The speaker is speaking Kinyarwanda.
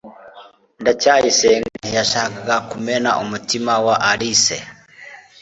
ndacyayisenga ntiyashakaga kumena umutima wa alice